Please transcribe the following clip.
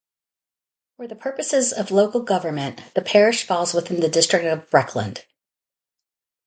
For the purposes of local government, the parish falls within the district of Breckland.